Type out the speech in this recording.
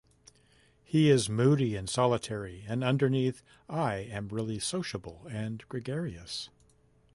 He is moody and solitary and underneath I am really sociable and gregarious.